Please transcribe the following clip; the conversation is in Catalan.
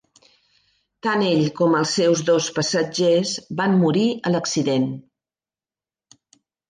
Tant ell com els seus dos passatgers van morir a l'accident.